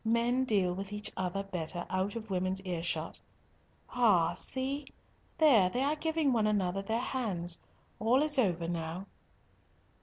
Men deal with each other better out of women's earshot. Ah, see, there they are giving one another their hands. All is over now."